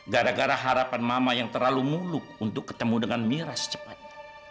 gara gara harapan mama yang terlalu muluk untuk ketemu dengan mira secepatnya